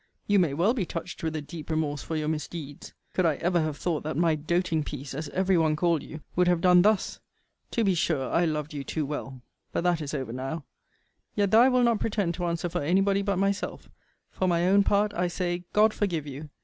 You may well be touched with a deep remorse for your misdeeds. Could I ever have thought that my doting piece, as every one called you, would have done thus? To be sure I loved you too well. But that is over now. Yet, though I will not pretend to answer for any body but myself, for my own part I say God forgive you!